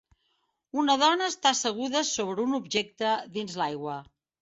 Una dona està asseguda sobre un objecte dins l'aigua.